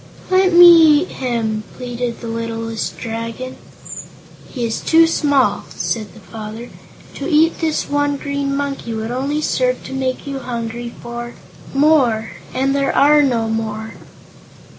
"Let me eat him!" pleaded the littlest Dragon. "He is too small," said the father. "To eat this one Green Monkey would only serve to make you hungry for more, and there are no more."